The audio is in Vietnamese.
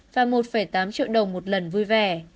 và một tám triệu đồng một lần vui vẻ